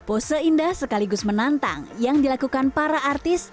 pose indah sekaligus menantang yang dilakukan para artis